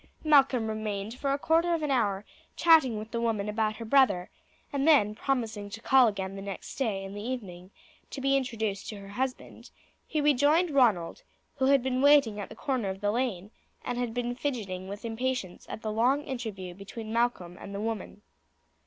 Malcolm remained for a quarter of an hour chatting with the woman about her brother, and then, promising to call again the next day in the evening to be introduced to her husband, he rejoined Ronald, who had been waiting at the corner of the lane, and had been fidgeting with impatience at the long interview between Malcolm and the woman.